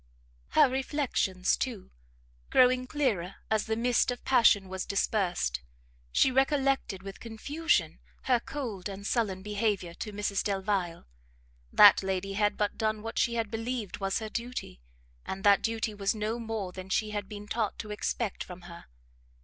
Her reflections, too, growing clearer as the mist of passion was dispersed, she recollected with confusion her cold and sullen behaviour to Mrs Delvile. That lady had but done what she had believed was her duty, and that duty was no more than she had been taught to expect from her.